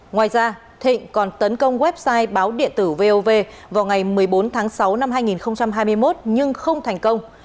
ngoài ra thịnh còn tấn công website báo điện tử vov vào ngày một mươi bốn tháng sáu năm hai nghìn hai mươi một nhưng không thành công